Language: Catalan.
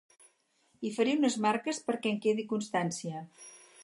Hi faré unes marques perquè en quedi constància.